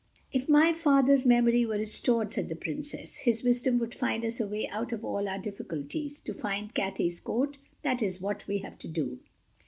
"If my Father's memory were restored," said the Princess, "his wisdom would find us a way out of all our difficulties. To find Cathay's coat: that is what we have to do."